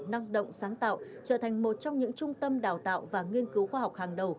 năng động sáng tạo trở thành một trong những trung tâm đào tạo và nghiên cứu khoa học hàng đầu